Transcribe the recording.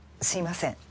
すいません